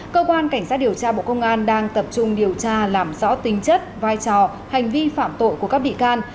cơ quan cảnh sát điều tra bộ công an đang tập trung điều tra làm rõ tính chất vai trò hành vi phạm tội của các bị can